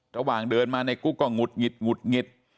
ระหว่างเดินมาในกุ๊กก็หุดหงิดหงุดหงิด